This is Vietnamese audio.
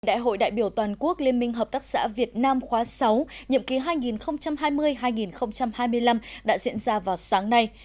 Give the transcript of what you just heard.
đại hội đại biểu toàn quốc liên minh hợp tác xã việt nam khóa sáu nhiệm ký hai nghìn hai mươi hai nghìn hai mươi năm đã diễn ra vào sáng nay